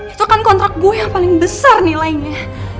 itu kan kontrak gue yang paling besar nilainya